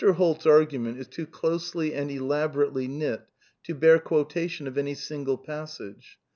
Holt's argument is too closely and elaborately knit to bear quotation of any single passage.